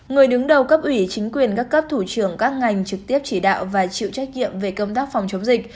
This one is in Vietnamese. người đứng đầu cấp ủy chính quyền các cấp thủ trưởng các ngành trực tiếp chỉ đạo và chịu trách nhiệm về công tác phòng chống dịch